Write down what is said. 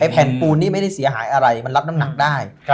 แผ่นปูนนี่ไม่ได้เสียหายอะไรมันรับน้ำหนักได้